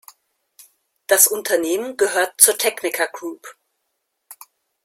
Das Unternehmen gehört zur Tecnica Group.